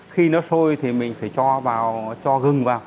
khi nó sôi thì mình phải cho vào cho gừng vào